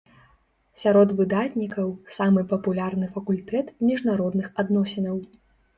Сярод выдатнікаў самы папулярны факультэт міжнародных адносінаў.